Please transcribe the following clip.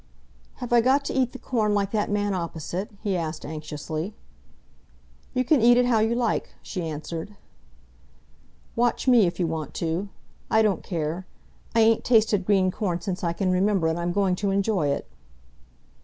"Have I got to eat the corn like that man opposite?" he asked anxiously. "You can eat it how you like," she answered. "Watch me, if you want to. I don't care. I ain't tasted green corn since I can remember, and I'm going to enjoy it."